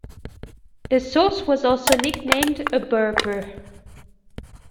The source was also nicknamed a "burper".